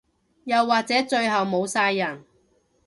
又或者最後冇晒人